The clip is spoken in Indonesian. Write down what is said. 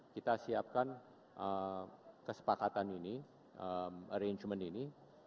kita siapkan kesepakatan ini arrangement ini